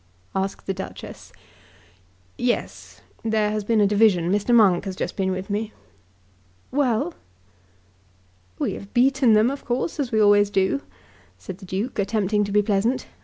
asked the Duchess. "Yes; there has been a division. Mr. Monk has just been with me." "Well!" "We have beaten them, of course, as we always do," said the Duke, attempting to be pleasant.